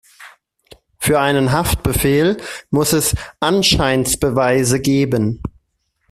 Für einen Haftbefehl muss es Anscheinsbeweise geben.